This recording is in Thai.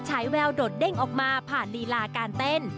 แววโดดเด้งออกมาผ่านลีลาการเต้น